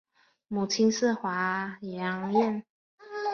母亲是华阳院。